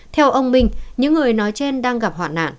theo ông minh những người nói trên đang gặp hoạn nạn